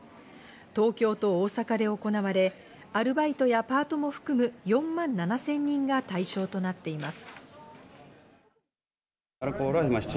東京と大阪で行われ、アルバイトやパートも含む４万７０００人が対象となっています。